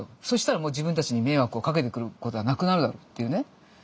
そしたらもう自分たちに迷惑をかけてくることはなくなるだろうっていうね。